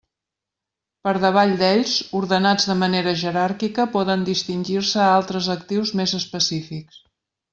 Per davall d'ells, ordenats de manera jeràrquica, poden distingir-se altres actius més específics.